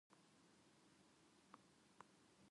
スプラインにハマってない